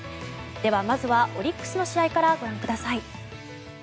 では、まずはオリックスの試合からご覧ください。